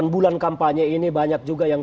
delapan bulan kampanye ini banyak juga yang